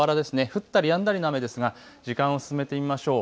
降ったりやんだりの雨ですが時間を進めてみましょう。